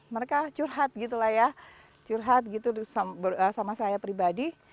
mereka curhat gitu lah ya curhat gitu sama saya pribadi